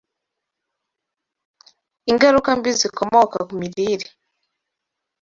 ingaruka mbi zikomoka ku mirire